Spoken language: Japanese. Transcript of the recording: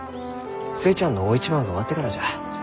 寿恵ちゃんの大一番が終わってからじゃ。